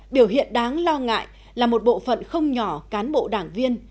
biểu hiện đáng lo ngại là một bộ phận không nhỏ cán bộ đảng viên